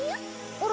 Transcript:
あれ？